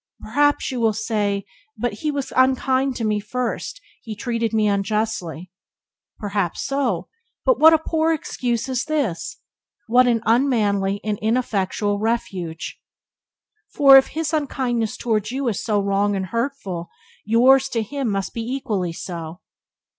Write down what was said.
Perhaps you will say: "But he was unkind to me first; he treated me unjustly." Perhaps so, but what a poor excuse is this! What an unmanly and ineffectual refuge! For if his unkindness toward you is so wrong and hurtful yours to him must be equally so.